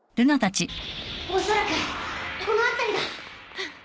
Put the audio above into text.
おそらくこの辺りだ。